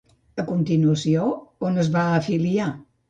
A continuació, on es va afiliar?